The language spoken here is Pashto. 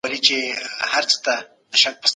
خپل فکر په منطقي ډول بیان کړه.